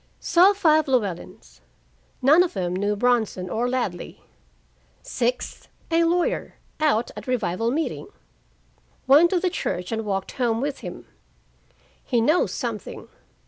Saw five Llewellyns. None of them knew Bronson or Ladley. Sixth a lawyer out at revival meeting. Went to the church and walked home with him. He knows something.